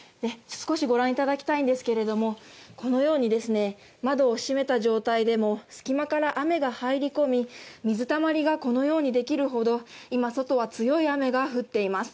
少しご覧いただきたいんですけれども、このように窓を閉めた状態でも隙間から雨が入り込み、水たまりがこのようにできるほど今、外は強い雨が降っています。